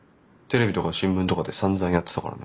テレビとか新聞とかでさんざんやってたからね。